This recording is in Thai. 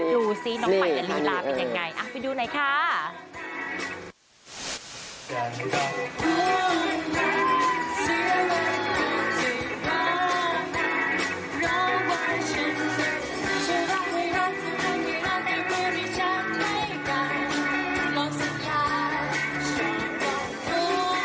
ไปดูสิน้องใหม่กันลีลาเป็นยังไงไปดูหน่อยค่ะนี่นี่นี่